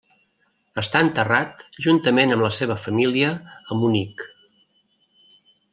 Està enterrat juntament amb la seva família a Munic.